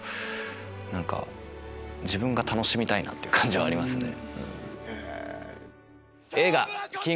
何か自分が楽しみたいなっていう感じはありますね。